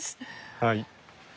はい。